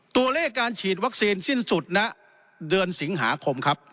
ตัวเลขการฉีดวัคซีนสิ้นสุดณเดือนสิงหาคมครับ